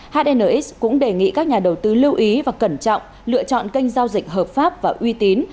hnx cũng đề nghị các nhà đầu tư lưu ý và cẩn trọng lựa chọn kênh giao dịch hợp pháp và uy tín